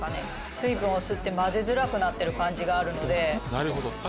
「水分を吸って混ぜづらくなってる感じがあるので」